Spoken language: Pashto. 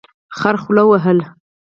خر خوله وهله.